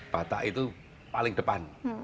batak itu paling depan